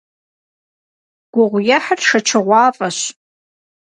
Guğuêhır şşeçığuaf'eş.